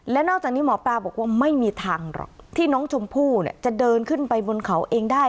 และนอกจากนี้หมอปลาบอกว่าไม่มีทางหรอกที่น้องชมพู่จะเดินขึ้นไปบนเขาเองได้